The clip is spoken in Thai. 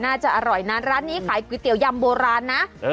น่าจะอร่อยนะร้านนี้ขายก๋วยเตี๋ยำโบราณนะ